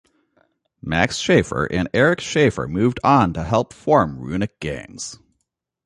Max Schaefer and Erich Schaefer moved on to help form Runic Games.